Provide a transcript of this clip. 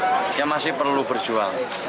kita masih perlu berjuang